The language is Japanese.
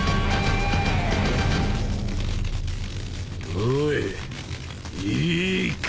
おいいいか？